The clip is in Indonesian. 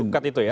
sukat itu ya